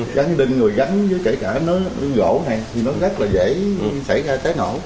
gắn đinh rồi gắn với cả gỗ này thì nó rất là dễ xảy ra cháy nổ